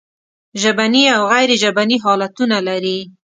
ژبني او غیر ژبني حالتونه لري.